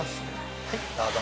はい、どうぞ。